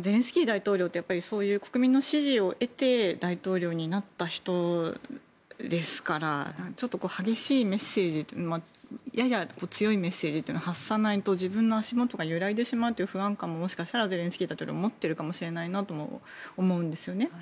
ゼレンスキー大統領ってそういう国民の支持を得て大統領になった人ですからちょっと激しいメッセージやや強いメッセージというのは発さないと自分の足元が揺らいでしまうという不安感ももしかしたらゼレンスキー大統領は持っているかもしれないなとも思うんですよね。